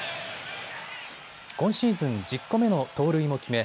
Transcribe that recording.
今シーズン１０個目の盗塁も決め